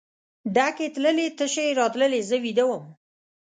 ډکې تللې تشې راتللې زه ویده وم.